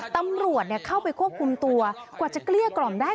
ตำรวจเข้าไปควบคุมตัวกว่าจะเกลี้ยกล่อมได้